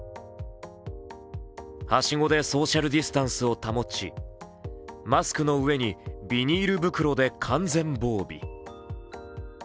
はしごでソーシャルディスタンスを保ち、マスクの上にビニール袋で完全防備。